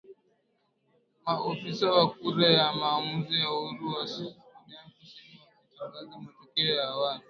maofisa wa kura ya maamuzi ya uhuru wa sudan kusini wametangaza matokeo ya awali